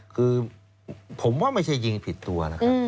คือผมว่าไม่ใช่ยิงผิดตัวนะครับ